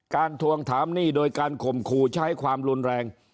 ทวงถามหนี้โดยการข่มขู่ใช้ความรุนแรง